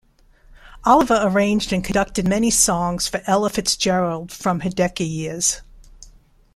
Oliver arranged and conducted many songs for Ella Fitzgerald from her Decca years.